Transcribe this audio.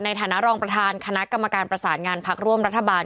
ในฐานะรองประธานคณะกรรมการประสานงานพักร่วมรัฐบาล